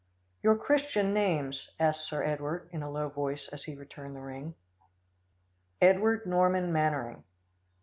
"Your Christian names?" asked Sir Edward in a low voice as he returned the ring. "Edward Norman Mannering."